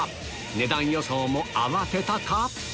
値段予想も慌てたか？